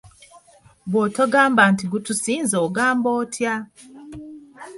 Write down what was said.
Bw'otogamba nti gutusinze ogamba otya?